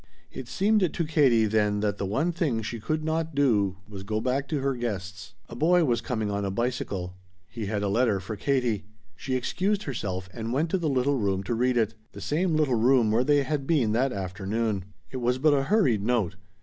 It seemed to Katie then that the one thing she could not do was go back to her guests. A boy was coming on a bicycle. He had a letter for Katie. She excused herself and went to the little room to read it the same little room where they had been that afternoon. It was but a hurried note.